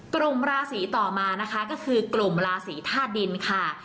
กลุ่มราศีต่อมานะคะก็คือกลุ่มราศีธาตุดินค่ะ